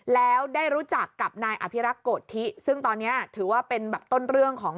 แล้วได้รู้จักกับนายอภิรักษ์โกธิซึ่งตอนนี้ถือว่าเป็นแบบต้นเรื่องของ